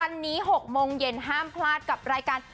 วันนี้๖โมงเย็นห้ามพลาดกับรายการ